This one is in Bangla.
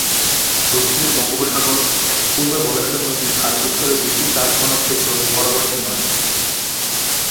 দক্ষিণে বঙ্গোপসাগর; পূর্বে বলেশ্বর নদী আর উত্তরে বেশি চাষ ঘনত্বের জমি বরাবর সীমানা।